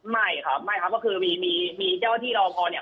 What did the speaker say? ไม่ครับไม่ครับก็คือมีเจ้าที่รอพอเนี่ย